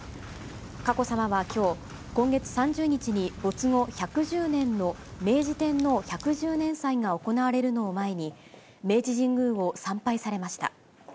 佳子さまはきょう、今月３０日に没後１１０年の明治天皇百十年祭が行われるのを前に、明治神宮を参拝されました。